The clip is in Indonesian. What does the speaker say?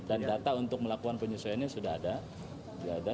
dan data untuk melakukan penyesuaiannya sudah ada